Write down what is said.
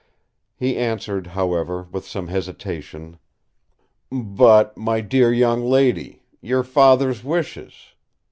He answered, however, with some hesitation: "But, my dear young lady—Your Father's wishes!